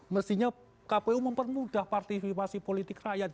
mestinya kpu mempermudah partisipasi politik rakyat